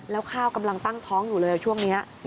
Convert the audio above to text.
แล้วข้าวกำลังตั้งท้องอยู่เลยช่วงนี้